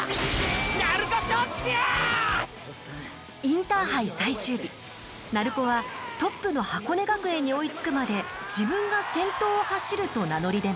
インターハイ最終日鳴子はトップの箱根学園に追いつくまで自分が先頭を走ると名乗り出ます。